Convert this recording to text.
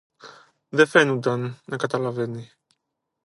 Δε φαίνουνταν να καταλαβαίνει.